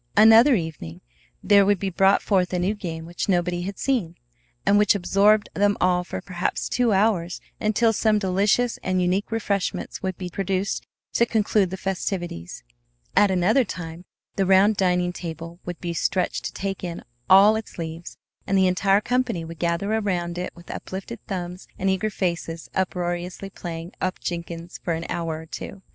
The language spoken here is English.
Another evening there would be brought forth a new game which nobody had seen, and which absorbed them all for perhaps two hours until some delicious and unique refreshments would be produced to conclude the festivities. At another time the round dining table would be stretched to take in all its leaves, and the entire company would gather around it with uplifted thumbs and eager faces unroariously playing "up Jenkins" for an hour or two.